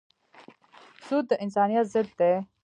سود د انسانیت ضد دی.